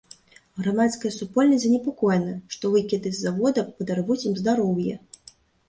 Грамадская супольнасць занепакоена, што выкіды з завода падарвуць ім здароўе.